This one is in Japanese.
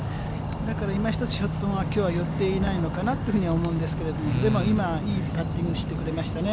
だから、いまひとつ、ショットが寄っていないのかなと思うんですけど、でも今、いいパッティングしてくれましたね。